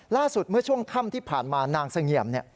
เมื่อช่วงค่ำที่ผ่านมานางเสงี่ยม